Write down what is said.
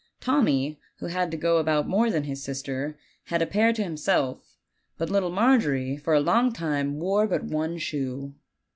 Tommy, who had to go about more than his sis ter, had a pair to himself; but little Margery for a long time wore but one shoe.